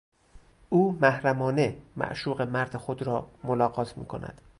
او محرمانه معشوق مرد خود را ملاقات میکند.